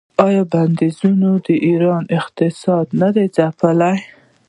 آیا بندیزونو د ایران اقتصاد نه دی ځپلی؟